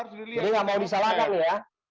jadi enggak mau disalahkan ya